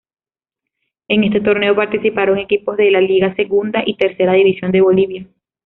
En este torneo participaron equipos de la Liga, Segunda y Tercera división de Bolivia.